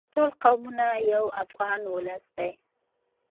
ټول قومونه یو افغان ولس دی.